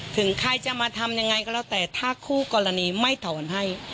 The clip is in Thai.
ถึงใครจะมาทำยังไงก็แล้วแต่ถ้าคู่กรณีไม่ถอนให้